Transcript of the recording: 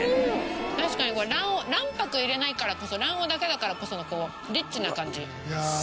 確かにこれ卵黄卵白入れないからこそ卵黄だけだからこそのリッチな感じ。